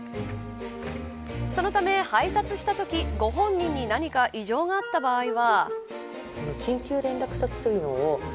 そのため、配達したときご本人に何が異常があった場合は。